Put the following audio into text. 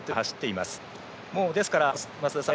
ですから、増田さん